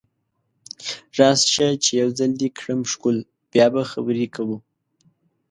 راشه چې یو ځل دې کړم ښکل بیا به خبرې کوو